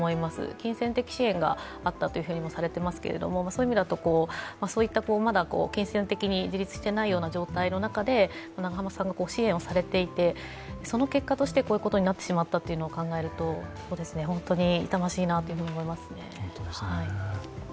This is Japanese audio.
金銭的支援があったともされていますが、そういう意味だと、まだ金銭的に自立していないような状態の中で長濱さんが支援をされていて、その結果としてこういうことになってしまったことを考えると本当に痛ましいなと思いますね。